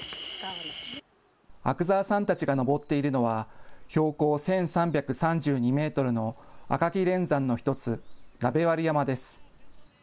阿久澤さんたちが登っているのは標高１３３２メートルの赤木連山の１つ、鍋割山です。